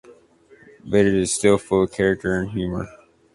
But it is still full of character and humour.